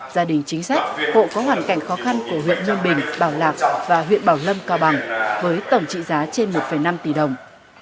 gia đình chính sách hộ có hoàn cảnh khó khăn của huyện nhân bình bảo lạc và huyện bảo lâm cao bằng với tổng trị giá trên một năm tỷ đồng